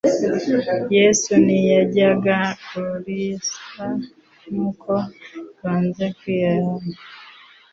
Yesu ntiyajyaga kurizwa n'uko banze kwihana?